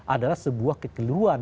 adalah sebuah kekeluhan